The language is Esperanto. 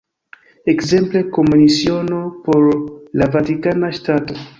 Ekzemple, Komisiono por la Vatikana Ŝtato.